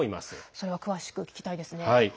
それは詳しく聞きたいですね。